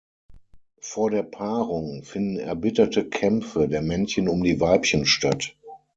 Vor der Paarung finden erbitterte Kämpfe der Männchen um die Weibchen statt.